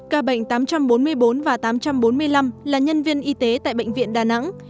ca bệnh tám trăm bốn mươi bốn và tám trăm bốn mươi năm là nhân viên y tế tại bệnh viện đà nẵng